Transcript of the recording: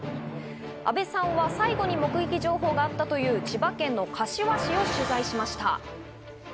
阿部さんは最後に目撃情報があったという千葉県の柏市を取材しました。